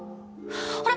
あれ？